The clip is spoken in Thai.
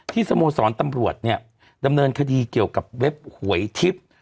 สโมสรตำรวจเนี่ยดำเนินคดีเกี่ยวกับเว็บหวยทิพย์